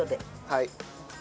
はい。